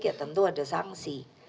ya tentu ada sanksi